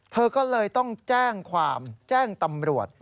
เธอก็เลยต้องแจ้งความแจ้งตำรวจ